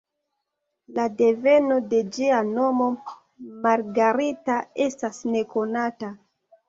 La deveno de ĝia nomo, ""Margarita"", estas nekonata.